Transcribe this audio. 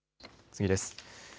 次です。